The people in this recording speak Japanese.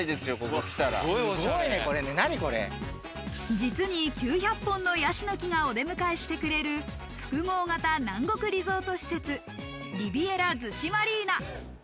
実に９００本のヤシの木がお出迎えしてくれる、複合型南国リゾート施設、リビエラ逗子マリーナ。